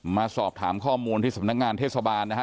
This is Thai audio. มาสอบถามข้อมูลที่สำนักงานเทศบาลนะฮะ